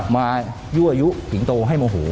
มายุะยุสีงโต้ให้โมโห